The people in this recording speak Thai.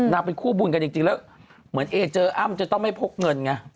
เป็นคู่บุญกันจริงแล้วเหมือนเอเจออ้ำจะต้องไม่พกเงินไง